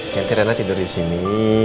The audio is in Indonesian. nanti rena tidur disini